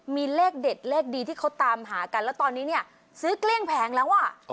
มีเลขเด็ดเลขดีที่เขาตามหากันแล้วตอนนี้เนี่ยซื้อเกลี้ยงแผงแล้วอ่ะ